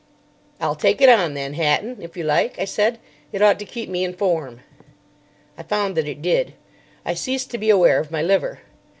"I'll take it on, then, Hatton, if you like," I said. "It ought to keep me in form." I found that it did. I ceased to be aware of my liver.